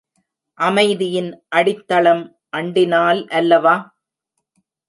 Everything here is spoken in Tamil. அமைதியின் அடித்தளம் அண்டினால் அல்லவா?